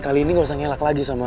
kali ini gak usah ngelak lagi sama